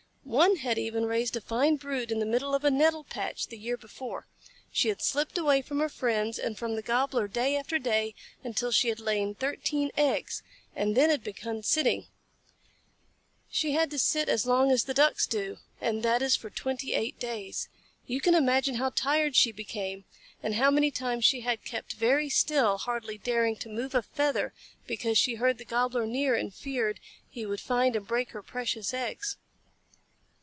One had even raised a fine brood in the middle of a nettle patch the year before. She had slipped away from her friends and from the Gobbler day after day until she had laid thirteen eggs, and then had begun sitting. She had to sit as long as the Ducks do, and that is for twenty eight days. You can imagine how tired she became, and how many times she had kept very still, hardly daring to move a feather, because she heard the Gobbler near and feared he would find and break her precious eggs.